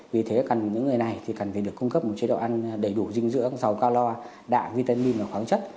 vì thế cần những người này thì cần phải được cung cấp một chế độ ăn đầy đủ dinh dưỡng giàu cao lo đạ vitamin và khoáng chất